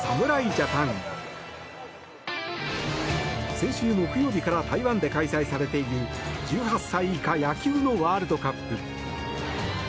先週木曜日から台湾で開催されている１８歳以下野球のワールドカップ。